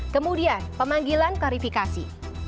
kemudian pemanggilan klarifikasi